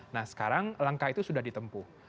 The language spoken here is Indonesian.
nah sekarang langkah itu sudah ditempuh